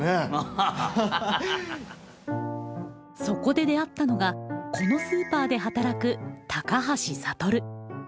そこで出会ったのがこのスーパーで働く高橋羽。